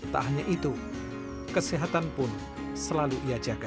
tak hanya itu kesehatan pun selalu ia jaga